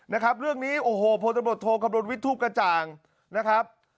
นะครับเรื่องนี้โอ้โหพลตำรวจโทคำนวณวิทย์ทูปกระจ่างนะครับ